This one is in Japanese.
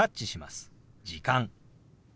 「時間」。